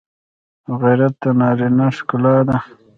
غیرت د نارینه ښکلا ده